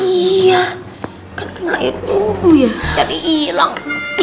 oh iya kan kena air dulu ya jadi hilang